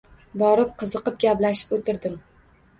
Borib, qiziqib gaplashib o‘tirdim.